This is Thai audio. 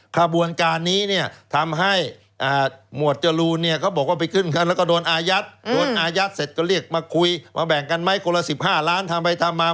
แม้งานนี้เนี่ยทำให้หมาวดจรูนเนี่ยเขาบอกว่าไปเข้ามาแล้วก็โดนอายัด